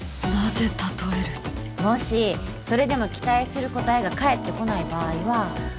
なぜ例えるもしそれでも期待する答えが返ってこない場合は